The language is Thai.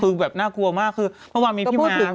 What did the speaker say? คือแบบน่ากลัวมากคือเมื่อวานมีพี่ม้า